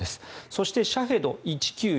そして、シャヘド１９１